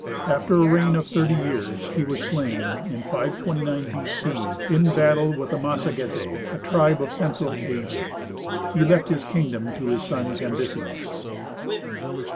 After a reign of thirty years he was slain, in 529 B.C., in battle with the Massagetæ, a tribe of Central Asia. He left his kingdom to his son Cambyses.